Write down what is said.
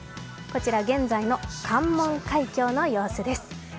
こちら現在の関門海峡の様子です。